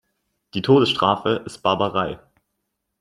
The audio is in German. Die Todesstrafe ist Barbarei.